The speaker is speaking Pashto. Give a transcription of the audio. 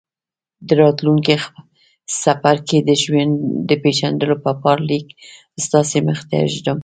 د راتلونکي څپرکي د پېژندلو په پار ليک ستاسې مخې ته ږدم.